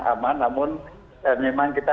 aman namun memang kita